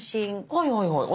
はいはいはいはい。